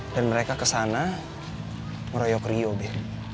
dan mereka kesana merayok rio be